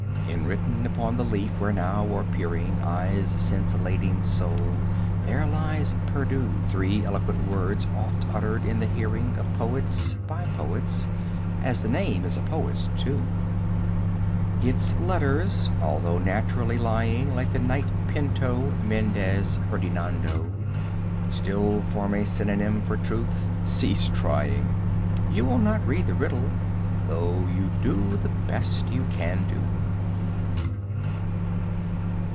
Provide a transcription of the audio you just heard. Enwritten upon the leaf where now are peering Eyes scintillating soul, there lie perdus Three eloquent words oft uttered in the hearing 15 Of poets, by poets as the name is a poet's, too. Its letters, although naturally lying Like the knight Pinto, Mendez Ferdinando, Still form a synonym for Truth. Cease trying! You will not read the riddle, though you do the best you can do.